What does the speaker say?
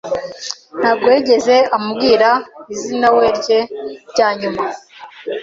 ntabwo yigeze ambwira izinawe rye ryanyuma.